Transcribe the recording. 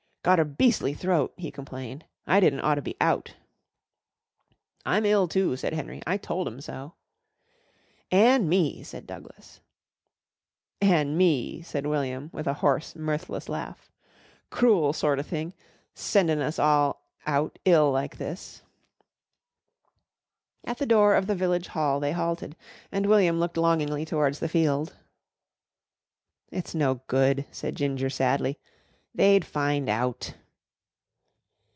"Gotter beas'ly throat," he complained, "I didn't ought to be out." "I'm ill, too," said Henry; "I told 'em so." "An' me," said Douglas. "An' me," said William with a hoarse, mirthless laugh. "Cruel sorter thing, sendin' us all out ill like this." At the door of the Village Hall they halted, and William looked longingly towards the field. "It's no good," said Ginger sadly, "they'd find out."